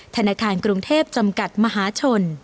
ธนาคารกรุงเทพจำกัดมหาชน